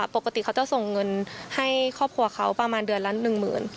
ปกติเขาจะส่งเงินให้ครอบครัวเขาประมาณเดือนละ๑๐๐๐บาท